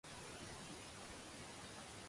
得閒飲茶